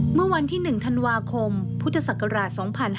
เมื่อวันที่๑ธันวาคมพุทธศักราช๒๕๕๙